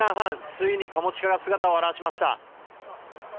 ついにカモシカが姿を現しました。